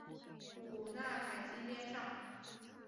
普纳凯基边上。